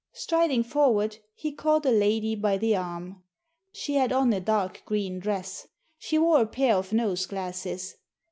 Striding forward, he caught a lady by the arm. She had on a dark g^een dress. She wore a pair of nose glasses.